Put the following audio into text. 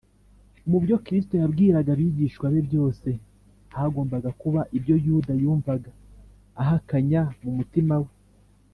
mu byo kristo yabwiraga abigishwa be byose, hagombaga kuba ibyo yuda yumvaga ahakanya mu mutima we